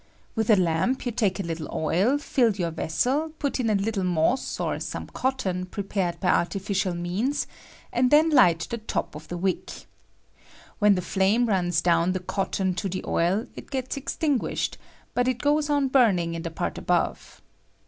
With a lamp you take a little oil, fill your vessel, put in a little moss or some cotton prepared by artificial means, and then light the top of the wick. When the fiame runa down the cotton to the oil, it gets extinguished, but it goes on burning in the part above.